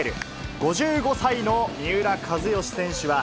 ５５歳の三浦知良選手は、